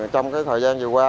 trong thời gian vừa qua